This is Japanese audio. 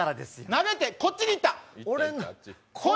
投げて、こっちに行ったん？